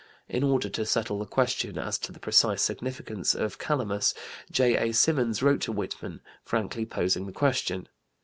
In order to settle the question as to the precise significance of "Calamus," J.A. Symonds wrote to Whitman, frankly posing the question.